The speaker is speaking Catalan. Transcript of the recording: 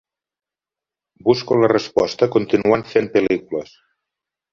Busco la resposta continuant fent pel·lícules.